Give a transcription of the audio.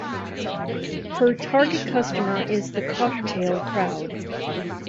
Her target customer is the "cocktail crowd".